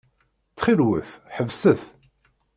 Ttxil-wet, ḥebset.